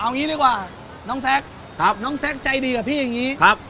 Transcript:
เอางี้ดีกว่าน้องแซคน้องแซคใจดีกับพี่อย่างนี้ครับ